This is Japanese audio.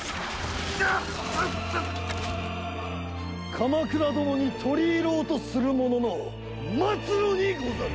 鎌倉殿に取り入ろうとする者の末路にござる！